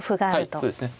はいそうですね。